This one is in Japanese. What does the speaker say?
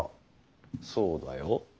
そうだよ。